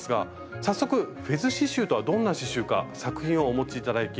早速フェズ刺しゅうとはどんな刺しゅうか作品をお持ち頂きました。